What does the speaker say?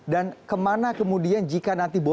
dan kemana kemudian jika nanti bola ini menjadi semakin besar